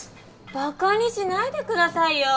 バカにしないでくださいよ！